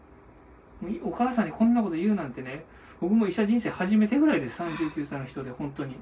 お母さんにこんなこと言うなんてね、僕も医者人生初めてぐらいです、３０代の人で、本当に。